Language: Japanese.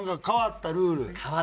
変わったルール。